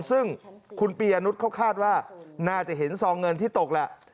ซึ่งคุณปียะนุษย์เขาคาดว่าน่าจะเห็นซองเงินที่ตกแหละ